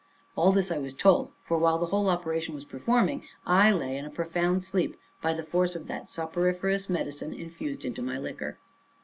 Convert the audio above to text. All this I was told, for, while the whole operation was performing, I lay in a profound sleep, by the force of that soporiferous medicine infused into my liquor.